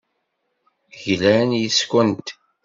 Glan yes-kent.